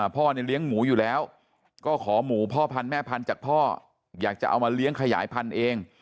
พ่อเนี่ยเลี้ยงหมูอยู่แล้วก็ขอหมูพ่อพันธุแม่พันธุ์จากพ่ออยากจะเอามาเลี้ยงขยายพันธุ์เอง